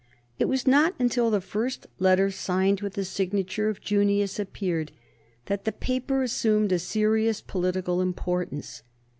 It was not until the first letter signed with the signature of Junius appeared that the paper assumed a serious political importance.